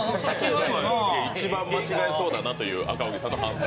一番間違えそうだなという赤荻さんの判断。